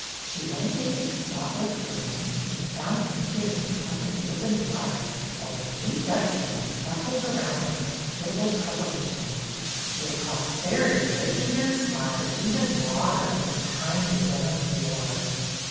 She went into the spotless room, and found him sitting in front of the open fire, while the three Dutch women bustled around in hospitable preparations, their prosperity making their smile even broader and kinder than of yore.